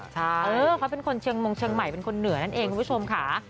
ใช่เขาเป็นคนเชียงมงเชียงใหม่เป็นคนเหนือนั่นเองคุณผู้ชมค่ะ